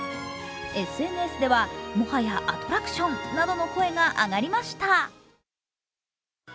ＳＮＳでは、「もはやアトラクション」などの声が上がりました。